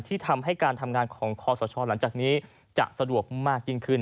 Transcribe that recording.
ที่ทำให้การทำงานของคอสชหลังจากนี้จะสะดวกมากยิ่งขึ้น